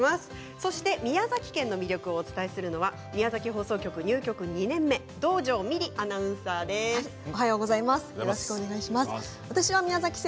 そして宮崎県の魅力をお伝えするのは宮崎放送局入局２年目おはようございます。